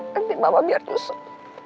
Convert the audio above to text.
nanti mama biar nyusup